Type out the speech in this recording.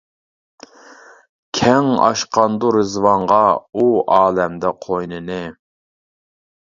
كەڭ ئاچقاندۇ رىزۋانغا، ئۇ ئالەمدە قوينىنى.